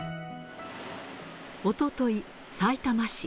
おととい、さいたま市。